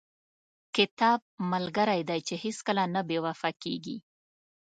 • کتاب ملګری دی چې هیڅکله نه بې وفا کېږي.